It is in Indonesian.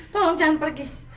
tolong jangan pergi